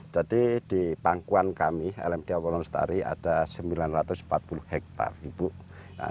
jadi di pangkuan kami lmd awal nusit tari ada sembilan ratus empat puluh hektare